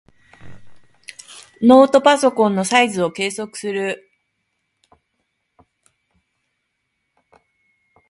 ノートパソコンのサイズを計測する。